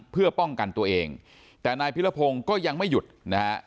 เพื่อป้องกันตัวเองแต่นายพิรพงศ์ก็ยังไม่หยุดนะฮะ